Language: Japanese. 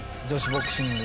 ボクシング。